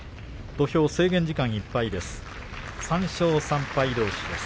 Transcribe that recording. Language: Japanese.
土俵は制限時間いっぱいです。